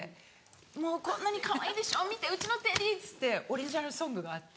「もうこんなにかわいいでしょ見てうちのテディ」っつってオリジナルソングがあって。